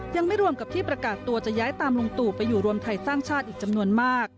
ยังไม่รวมกับที่ประกาศตัวจะย้ายตามลุงตู่ไปอยู่รวมไทยสร้างชาติอีกจำนวนมาก